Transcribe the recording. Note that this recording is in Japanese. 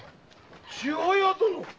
千早殿！